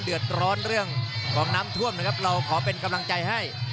เดือดร้อนเรื่องของน้ำท่วมนะครับเราขอเป็นกำลังใจให้